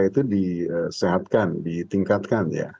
sehingga mereka itu disehatkan ditingkatkan ya